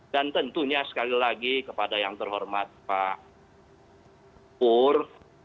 dan tentunya sekali lagi kepada yang terhormat pak pur